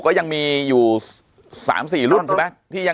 ก็ยังมีอยู่๓๔รุ่นใช่ไหม